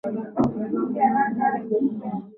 Rais wa Kenya ni daktari William ruto